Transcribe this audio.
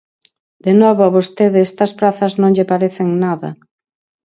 De novo a vostede estas prazas non lle parecen nada.